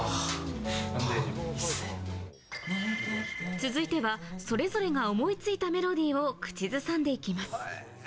続いては、それぞれが思いついたメロディーを口ずさんで行きます。